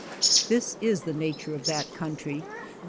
This is the nature of that country.